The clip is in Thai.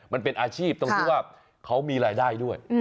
มันเป็นอาชีพตรงที่ว่าเขามีรายได้ด้วย